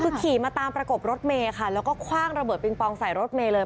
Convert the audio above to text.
คือขี่มาตามประกบรถเมย์ค่ะแล้วก็คว่างระเบิดปิงปองใส่รถเมย์เลย